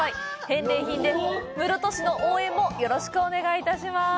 返礼品で、室戸市の応援もよろしくお願いいたします。